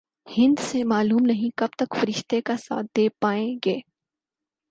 ہندسے معلوم نہیں کب تک فرشتے کا ساتھ دے پائیں گے۔